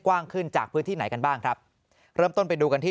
กว้างขึ้นจากพื้นที่ไหนกันบ้างครับเริ่มต้นไปดูกันที่